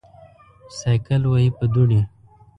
چې سایکل وهې په دوړې.